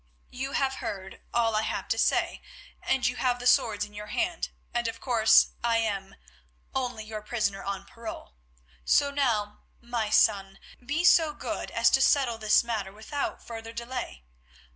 You have heard all I have to say, and you have the swords in your hand, and, of course, I am—only your prisoner on parole. So now, my son, be so good as to settle this matter without further delay.